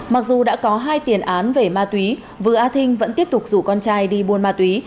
mặc dù đã có hai tiền án về ma túy vừa a thinh vẫn tiếp tục rủ con trai đi buôn ma túy